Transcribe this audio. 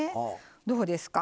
どうですか？